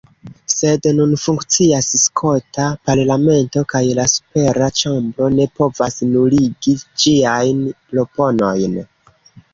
Sed nun funkcias skota parlamento, kaj la supera ĉambro ne povas nuligi ĝiajn proponojn.